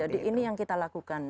jadi ini yang kita lakukan